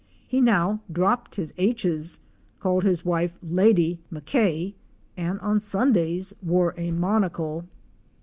He now dropped his h's, called his wife "Yady Mackay" and on Sundays wore a monocle.